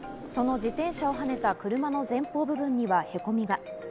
その自転車をはねた車の前方部分にはへこみが。